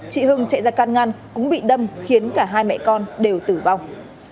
chị hưng chạy ra can ngăn cũng bị đâm khiến cả hai mẹ con đều tử vong